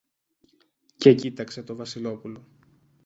και κοίταξε το Βασιλόπουλο.